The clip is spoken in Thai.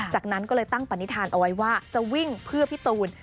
จากนั้นก็เลยตั้งปณิธานเอาไว้ว่าจะวิ่งเพื่อพี่ตูน